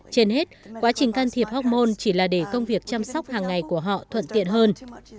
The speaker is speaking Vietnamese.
trên hết quá trình can thiệp hormon chỉ là để công việc chăm sóc hàng ngày của họ thuận tiện hơn